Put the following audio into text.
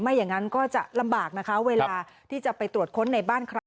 อย่างนั้นก็จะลำบากนะคะเวลาที่จะไปตรวจค้นในบ้านใคร